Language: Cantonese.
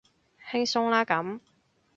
輕鬆啦咁